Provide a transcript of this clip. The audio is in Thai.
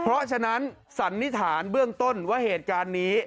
เพราะฉะนั้นสันนิษฐานเบื้องต้นว่าเหตุการณ์นี้